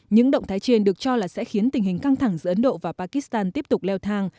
những động thái trên được cho là sẽ khiến tình hình căng thẳng giữa ấn độ và pakistan tiếp tục leo thang